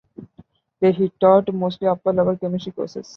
There, he taught mostly upper level chemistry courses.